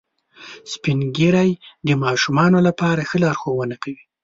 سپین ږیری د ماشومانو لپاره ښه لارښوونه کوي